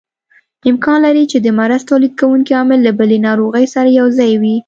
امکان لري چې د مرض تولید کوونکی عامل له بلې ناروغۍ سره یوځای وي.